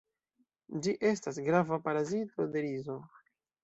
Ĝi estas grava parazito de rizo.